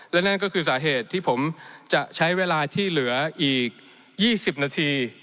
และนั่นก็คือสาเหตุที่ผมจะใช้เวลาที่เหลืออีก๒๐นาที